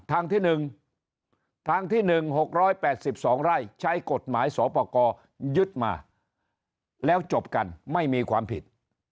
ทางที่๑ทางที่๑๖๘๒ไร่ใช้กฎหมายสอปกรยึดมาแล้วจบกันไม่มีความผิด